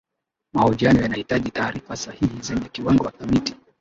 mahojiano yanahitaji taarifa sahihi zenye kiwango thabiti